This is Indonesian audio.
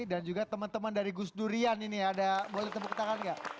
dan juga teman teman dari gus durian ini ada boleh tepuk tangan gak